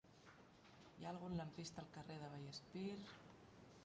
Hi ha algun lampista al carrer de Vallespir?